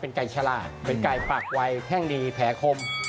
เป็นไก่ชลาดเป็นไก่ปากไวแท่งดีแผลคม